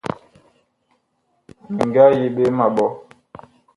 Mi nga yi ɓe ma ɓɔ.